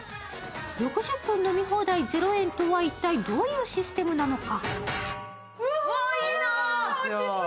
６０分飲み放題０円とは一体どういうシステムなのか。